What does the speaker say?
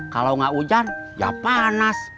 kalo gak hujan ya panas